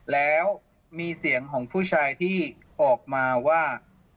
แล้วมีเสียงของผู้ชายที่ออกมาว่า